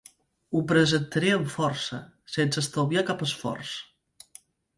Ho presentaré amb força, sense estalviar cap esforç.